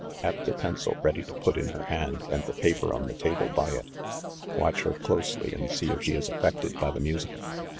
Have the pencil ready to put in her hand, and the paper on the table by it. Watch her closely, and see if she is affected by the music.